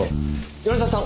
米沢さん